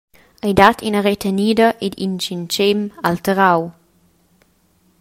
Ei dat ina retenida ed in tschintschem alterau.